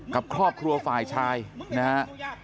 กับครอบครัวฝ่ายชายนะฮะ